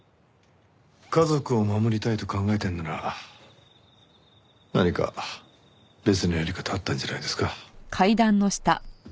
家族を守りたいと考えてるなら何か別のやり方あったんじゃないですか？